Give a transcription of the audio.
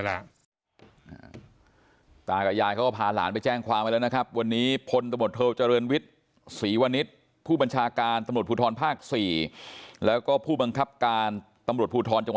ตาจากยายคือพาหลานไปแจ้งความมาแล้วนะครับ